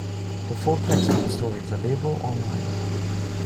The full text of this story is available on-line.